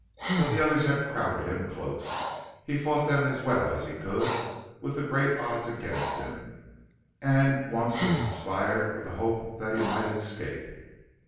But the others had crowded him close. He fought them as well as he could with the great odds against him, and once was inspired with a hope that he might escape.